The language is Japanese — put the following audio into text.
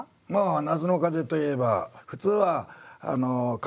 「夏の風」といえば普通は風薫る